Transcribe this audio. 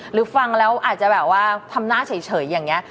หรือฟังแล้วอาจจะแบบว่าทำหน้าเฉยอย่างนี้